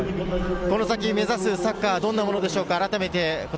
この先、目指すサッカーはどんなものでしょうか？